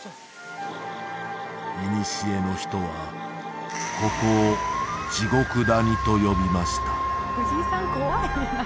いにしえの人はここを地獄谷と呼びました